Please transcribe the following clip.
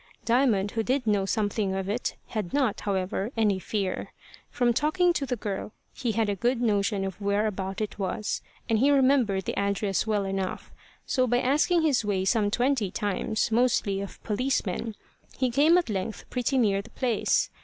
Diamond, who did know something of it, had not, however, any fear. From talking to the girl he had a good notion of where about it was, and he remembered the address well enough; so by asking his way some twenty times, mostly of policemen, he came at length pretty near the place.